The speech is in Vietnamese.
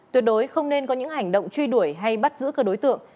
tuyệt đối không nên có những hành động truy đuổi hay bắt giữ các đối tượng